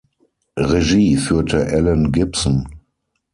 Regie führte Alan Gibson.